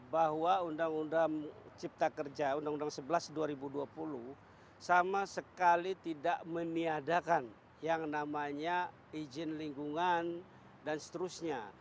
bahwa undang undang cipta kerja undang undang sebelas dua ribu dua puluh sama sekali tidak meniadakan yang namanya izin lingkungan dan seterusnya